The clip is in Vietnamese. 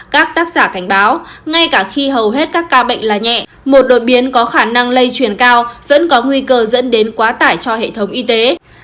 các tác giả cảnh báo ngay cả khi hầu hết các ca bệnh là nhẹ một đột biến có khả năng lây truyền cao vẫn có nguy cơ dẫn đến quá tải cho hệ thống y tế